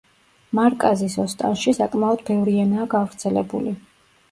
მარკაზის ოსტანში საკმაოდ ბევრი ენაა გავრცელებული.